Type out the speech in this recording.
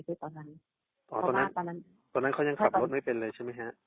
ตอนนั้นอ๋อตอนนั้นตอนนั้นเขายังขับรถไม่เป็นเลยใช่ไหมฮะ